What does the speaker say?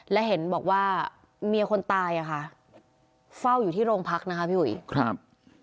และเห็นบอกว่าเมียคนตายอ่ะค่ะเฝ้าอยู่ที่โรงพักนะคะพี่อุ๋ยครับ